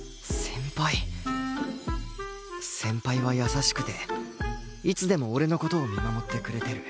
先輩は優しくていつでも俺の事を見守ってくれてる